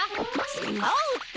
ちがうって！